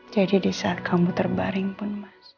jadi disaat kamu terbaring pun